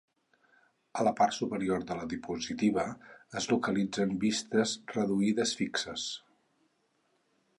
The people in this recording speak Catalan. A la part superior de la diapositiva es localitzen vistes reduïdes fixes.